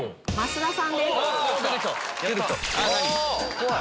怖い！